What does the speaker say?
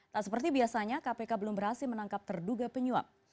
tak seperti biasanya kpk belum berhasil menangkap terduga penyuap